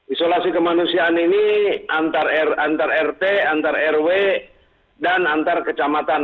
isolasi kemanusiaan ini antar rt antar rw dan antar kecamatan